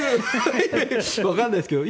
わからないですけど。